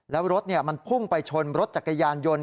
แล้วรถมันพุ่งไปชนรถจักรยานยนต์